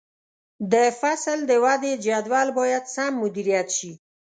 د فصل د ودې جدول باید سم مدیریت شي.